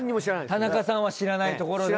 田中さんは知らないところで。